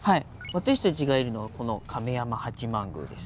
私たちがいるのはこの亀山八幡宮です。